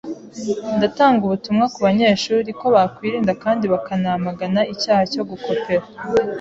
Ndatanga ubutumwa ku banyeshuri ko bakwirinda kandi bakanamaga icyaha cyo gukopera.”